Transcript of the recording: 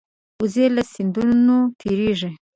وزې له سیندونو تېرېږي